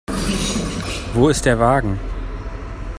Wo ist der Wagen?